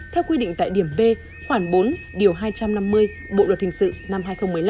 theo quy định tại điểm b khoảng bốn điều hai trăm năm mươi bộ luật hình sự năm hai nghìn một mươi năm